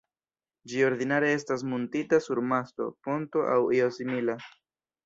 Ĝi ordinare estas muntita sur masto, ponto aŭ io simila.